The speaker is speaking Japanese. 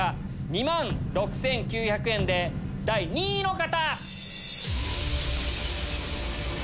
２万６９００円で第２位の方！